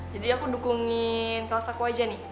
jadi aku dukungin kelas aku aja nih